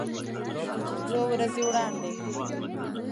چې څو ورځې وړاندې